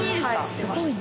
すごいな。